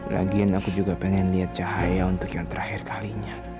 lagian aku juga pengen lihat cahaya untuk yang terakhir kalinya